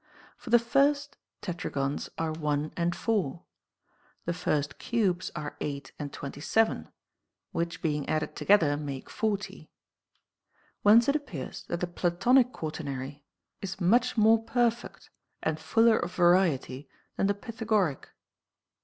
For the first tetragons are 1 and 4, the first cubes are 8 and 27, which being added together make 40. Whence it appears that the Platonic quaternary is much more perfect and fuller of variety than the Fythagoric.